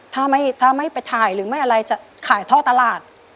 ถ้าไม่ไปถ่ายหรือไม่อะไรจะขายท่อตลาด